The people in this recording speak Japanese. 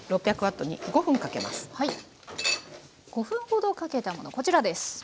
５分ほどかけたものこちらです。